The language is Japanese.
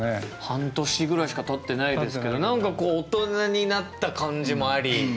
半年ぐらいしかたってないですけど何かこう大人になった感じもあり。